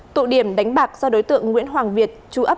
tụ điểm đánh bạc do đối tượng nguyễn hoàng việt